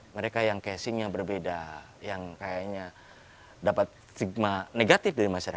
mereka yang casingnya berbeda yang kayaknya dapat stigma negatif dari masyarakat